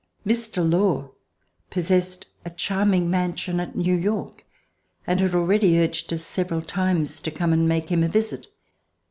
Mr. Law possessed a charming mansion at New York, and had already urged us several times to come and make him a visit.